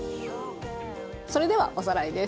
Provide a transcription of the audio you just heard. それではおさらいです。